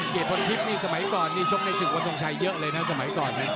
เกียรติภัณฑ์ทิพย์นี่สมัยก่อนชมในศึกวันทองชายเยอะเลยนะสมัยก่อน